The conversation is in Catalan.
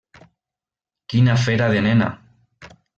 Quina fera de nena!